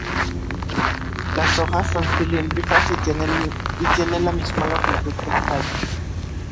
Las hojas son cilíndrica y tiene la misma longitud que el tallo.